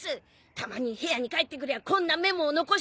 たまに部屋に帰ってくりゃこんなメモを残して！